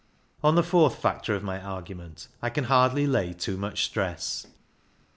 On the fourth factor of my argument I can hardly lay too much stress.